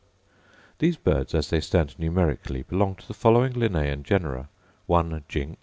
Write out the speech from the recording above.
These birds, as they stand numerically, belong to the following Linnaean genera: 1. Jynx.